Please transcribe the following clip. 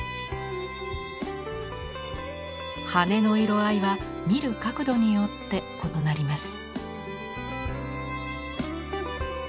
羽根の色合いは見る角度によって異なります。